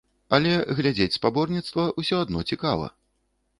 Але глядзець спаборніцтва ўсё адно цікава.